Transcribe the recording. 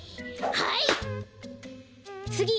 はい！